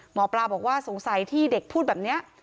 หมอปลาบอกว่าสงสัยที่เด็กพูดแบบนี้